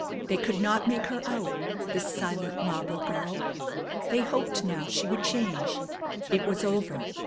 They could not make her out, this silent, marble girl. They hoped now she would change. It was over.